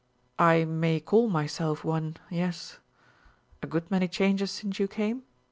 "I may call myself one yes. A good many changes since you came?"